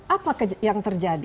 apa yang terjadi